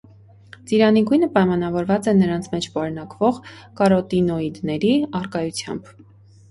Ծիրանի գույնը պայմանավորված է նրանց մեջ պարունակվող կարոտինոիդների առկայությամբ։